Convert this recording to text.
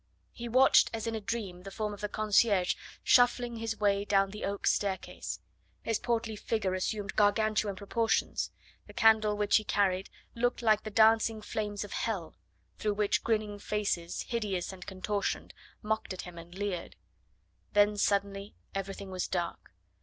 He watched as in a dream the form of the concierge shuffling his way down the oak staircase; his portly figure assumed Gargantuan proportions, the candle which he carried looked like the dancing flames of hell, through which grinning faces, hideous and contortioned, mocked at him and leered. Then suddenly everything was dark.